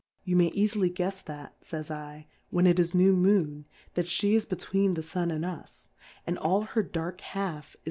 You may eafily guefs that, fays /, when it is new Moon, that {ht is between the Sua and us, and all her Dark Half is 4?